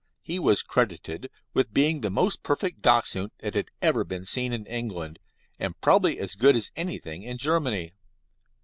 He was credited with being the most perfect Dachshund that had ever been seen in England, and probably as good as anything in Germany.